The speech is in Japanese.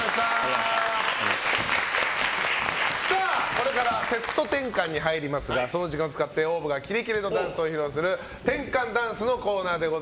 これからセット転換に入りますがその時間を使ってＯＷＶがキレキレダンスを披露する転換ダンスのコーナーです。